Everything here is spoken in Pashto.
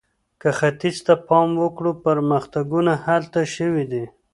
که ختیځ ته پام وکړو، پرمختګونه هلته شوي دي.